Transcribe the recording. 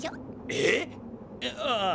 ええ⁉ああ